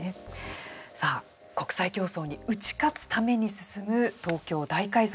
さあ、国際競争に打ち勝つために進む東京大改造。